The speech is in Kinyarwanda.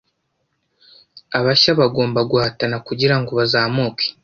abashya bagomba guhatana kugirango bazamuke